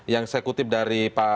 yang saya kutip dari pak